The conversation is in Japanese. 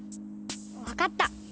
わかった。